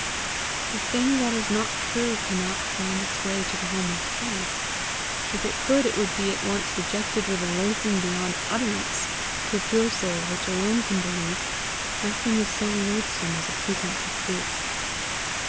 The thing that is not true cannot find its way to the home of faith; if it could, it would be at once rejected with a loathing beyond utterance; to a pure soul, which alone can believe, nothing is so loathsome as a pretence of truth.